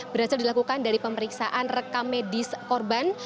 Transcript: berhasil dilakukan dari pemeriksaan rekamedis korban